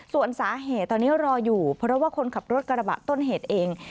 ส่วนสาเหตุตอนนี้รออยู่เพราะว่าคนขับรถกระบะต้นเหตุเอง